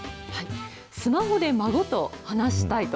スマホで孫と話したいと。